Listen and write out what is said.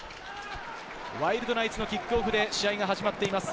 ワイルドナイツのキックオフで試合が始まっています。